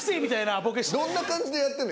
どんな感じでやってんの？